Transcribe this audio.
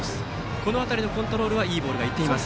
この辺りのコントロールいいところにいっています。